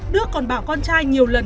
đức còn bảo con trai nhiều lần